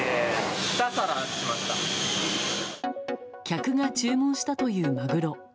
客が注文したという、まぐろ。